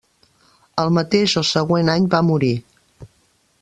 El mateix o següent any va morir.